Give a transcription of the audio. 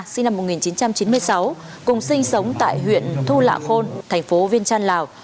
sinh năm một nghìn chín trăm chín mươi sáu cùng sinh sống tại huyện thu lạ khôn thành phố viên trăn lào